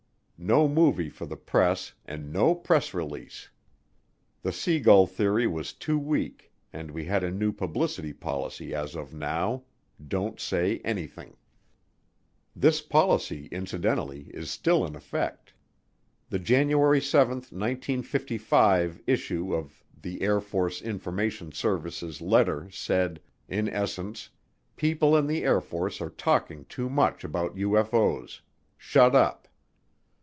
No movie for the press and no press release. The sea gull theory was too weak, and we had a new publicity policy as of now don't say anything. This policy, incidentally, is still in effect. The January 7, 1955, issue of the Air Force Information Services Letter said, in essence, people in the Air Force are talking too much about UFO's shut up.